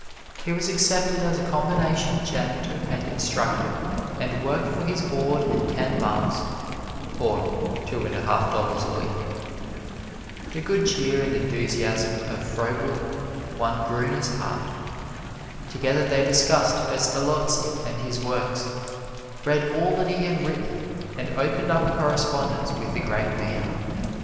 He was accepted as a combination janitor and instructor and worked for his board and ten marks, or two and a half dollars a week. The good cheer and enthusiasm of Froebel won Gruner's heart. Together they discussed Pestalozzi and his works, read all that he had written, and opened up a correspondence with the great man.